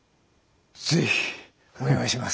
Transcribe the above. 是非お願いします。